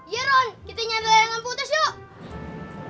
ya ron kita nyari barang yang putus yuk